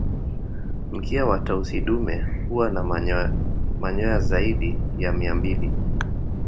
Mkia wa Tausi dume huwa na manyoa zaidi ya Mia mbili